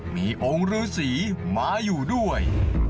มีองค์ฤษีมาอยู่ด้วย